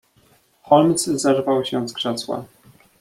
"Holmes zerwał się z krzesła."